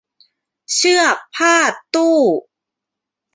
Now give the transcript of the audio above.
เชือกพาดตู้